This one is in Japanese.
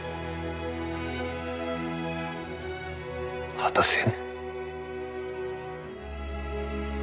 果たせぬ。